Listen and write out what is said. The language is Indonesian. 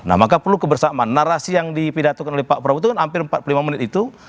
nah maka perlu kebersamaan narasi yang dipidatokan oleh pak prabowo itu kan hampir empat puluh lima menit itu